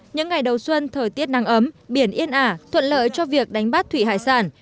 những ngày đầu xuân thời tiết nắng ấm biển yên ả thuận lợi cho việc đánh bắt thủy hải sản